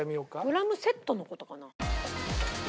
ドラムセットの事かな？